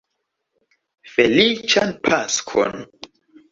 Feliĉan Paskon!